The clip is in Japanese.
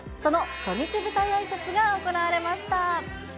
その初日舞台あいさつが行われました。